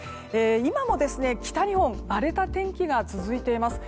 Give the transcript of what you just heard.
今も北日本、荒れた天気が続いています。